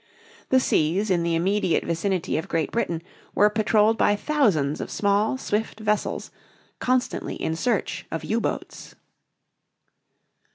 The seas in the immediate vicinity of Great Britain were patrolled by thousands of small, swift vessels constantly in search of U boats.